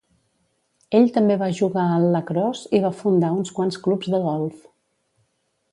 Ell també va jugar al lacrosse i va fundar uns quants clubs de golf.